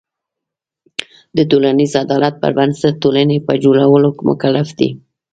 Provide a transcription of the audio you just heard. د ټولنیز عدالت پر بنسټ ټولنې په جوړولو مکلف دی.